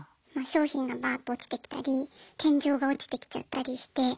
商品がバーッと落ちてきたり天井が落ちてきちゃったりして。